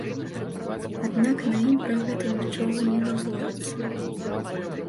Аднак на ім пра гэта нічога не гаворыцца.